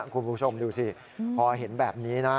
คุณผู้ชมดูสิพอเห็นแบบนี้นะ